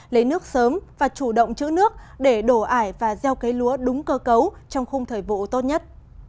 lấy nước sớm và chủ động chữ nước để đổ ải và gieo cấy lúa đúng cơ cấu trong khung thời vụ tốt nhất